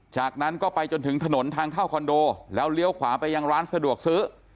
จากนั้นก็ไปจนถึงถนนทางเข้าคอนโดแล้วเลี้ยวขวาไปยังร้านสะดวกซื้อ